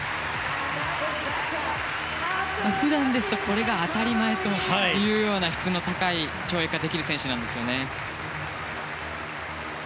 普段ですとこれが当たり前というような質の高い跳躍ができる選手なんですよね。